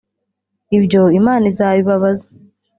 ibyo Imana izabibabaza